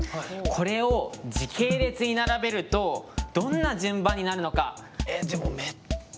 これを時系列に並べるとどんな順番になるのか。